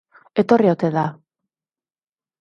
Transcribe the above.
Etorri ote da?